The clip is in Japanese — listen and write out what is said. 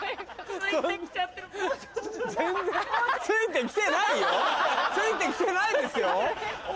ついて来てないですよ？